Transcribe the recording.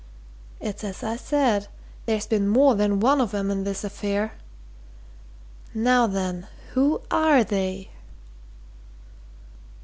It's as I said there's been more than one of 'em in this affair. Now then who are they?"